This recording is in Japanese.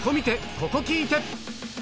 ここ聴いて！